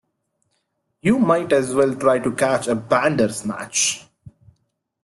You might as well try to catch a Bandersnatch!